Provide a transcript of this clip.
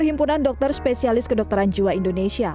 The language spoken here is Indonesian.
perhimpunan dokter spesialis kedokteran jiwa indonesia